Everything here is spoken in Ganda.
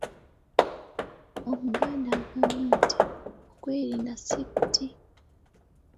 "Omuganda agamaba nti, “Okwerinda si buti...”"